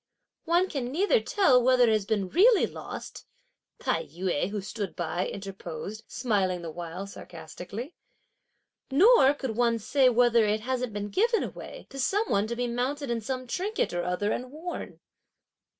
"One can neither tell whether it has been really lost," Tai yü, who stood by, interposed, smiling the while sarcastically; "nor could one say whether it hasn't been given away to some one to be mounted in some trinket or other and worn!"